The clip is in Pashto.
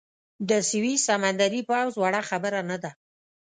د سویس سمندري پوځ وړه خبره نه ده.